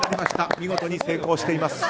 見事に成功しています。